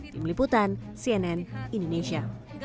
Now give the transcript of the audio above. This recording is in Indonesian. tim liputan cnn indonesia